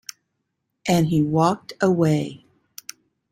And he walked away.